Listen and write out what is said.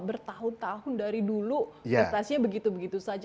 bertahun tahun dari dulu prestasinya begitu begitu saja